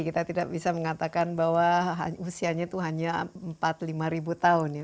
kita tidak bisa mengatakan bahwa usianya itu hanya empat lima tahun ya